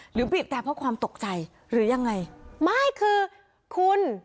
บีบแต่เพราะความตกใจหรือยังไงไม่คือคุณ